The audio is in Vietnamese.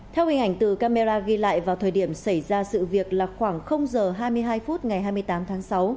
theo hình ảnh từ camera ghi lại vào thời điểm xảy ra sự việc là khoảng h hai mươi hai phút ngày hai mươi tám tháng sáu